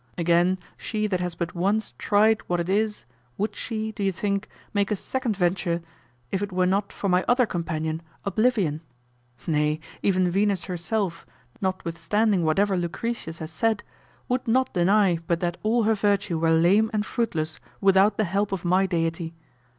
Again, she that has but once tried what it is, would she, do you think, make a second venture if it were not for my other companion, Oblivion? Nay, even Venus herself, notwithstanding whatever Lucretius has said, would not deny but that all her virtue were lame and fruitless without the help of my deity.